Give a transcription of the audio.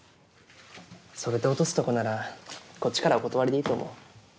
それで落とすとこならこっちからお断りでいいと思う。